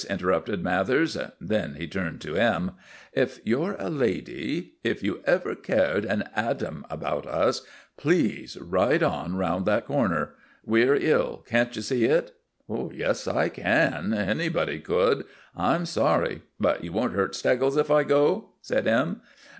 interrupted Mathers. Then he turned to M. "If you're a lady, if you ever cared an atom about us, please ride on round that corner. We're ill can't you see it?" "Yes, I can anybody could. I'm sorry. But you won't hurt Steggles if I go?" said M.